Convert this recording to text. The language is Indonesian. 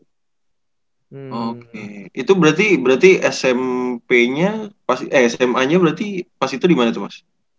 oke itu berarti smp nya sma nya berarti pas itu dimana tuh mas